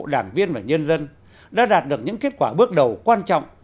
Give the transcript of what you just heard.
đảng viên và nhân dân đã đạt được những kết quả bước đầu quan trọng